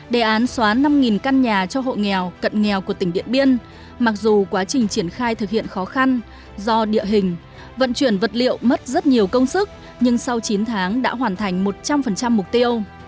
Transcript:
đề án xóa năm căn nhà cho hộ nghèo cận nghèo của tỉnh điện biên mặc dù quá trình triển khai thực hiện khó khăn do địa hình vận chuyển vật liệu mất rất nhiều công sức nhưng sau chín tháng đã hoàn thành một trăm linh mục tiêu